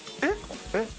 えっ？